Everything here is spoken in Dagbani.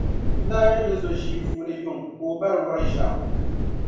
n daa nya do’ so ʒii puuni yuŋ ka o bari wɔri ʒiɛɣu.